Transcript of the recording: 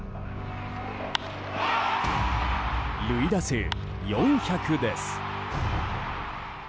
塁打数４００です！